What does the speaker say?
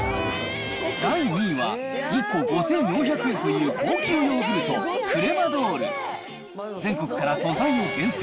第２位は、１個５４００円という高級ヨーグルト、クレマドール。全国から素材を厳選。